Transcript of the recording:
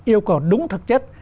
yêu cầu đúng thật chất